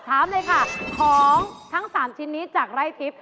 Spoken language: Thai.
ถามเลยค่ะของทั้ง๓ชิ้นนี้จากไร่ทิพย